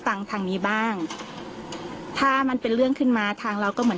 ฟังทางนี้บ้างถ้ามันเป็นเรื่องขึ้นมาทางเราก็เหมือน